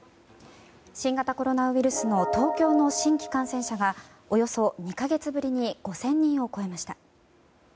新型コロナウイルスの東京の新規感染者がおよそ２か月ぶりに５０００人を超えました。